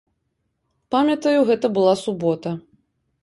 Памятаю, гэта была субота.